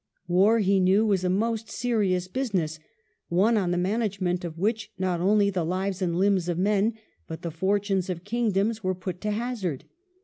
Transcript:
War, he knew, was a most serious business, one on the management of which not only the lives and limbs of men, but the fortunes of kingdoms, were put to hazard.